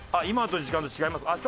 「今の時間と違います」